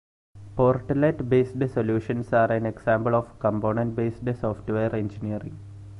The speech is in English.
Portlet-based solutions are an example of component-based software engineering.